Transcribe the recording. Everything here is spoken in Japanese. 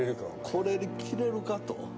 「これ着れるか」と。